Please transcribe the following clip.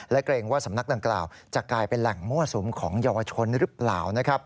และเกรงว่าสำนักดังกล่าวจะกลายเป็นแหล่งมั่วสุมของเยาวชนหรือเปล่า